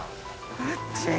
あっちい！